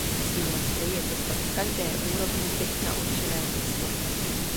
Cílem hry je dostat v každé úrovni byt na určené místo.